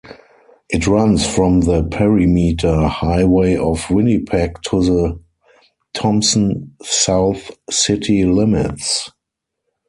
It runs from the Perimeter Highway of Winnipeg to the Thompson south city limits.